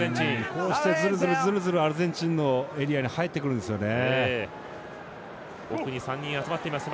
こうして、ズルズルアルゼンチンのエリアに入ってくるんですよね。